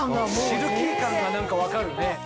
シルキー感が何か分かるね。